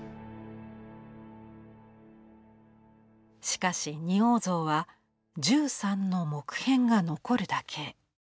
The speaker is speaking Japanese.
しかし仁王像は１３の木片が残るだけ。